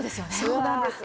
そうなんです！